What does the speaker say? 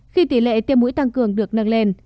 khi tỷ lệ tiêm mũi tăng cường được nâng lên